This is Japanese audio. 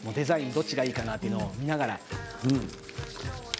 どっちがいいかなというのを見ながら。